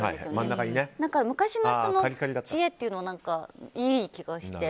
だから昔の人の知恵というのはいい気がして。